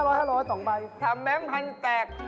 แบงค์๕๐๐ต่อไปทำแบงค์พันธุ์แตก